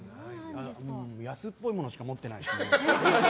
安っぽいものしか持ってないです。